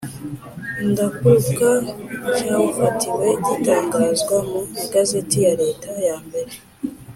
ndakuka cyawufatiwe gitangazwa mu Igazeti ya leta yambere